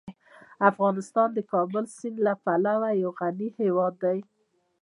افغانستان د کابل سیند له پلوه یو غني هیواد دی.